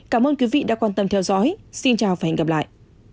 cảm ơn quý vị đã quan tâm theo dõi xin chào và hẹn gặp lại